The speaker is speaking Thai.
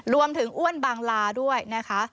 รวมถึงอ้วนบางลาด้วยนะคะ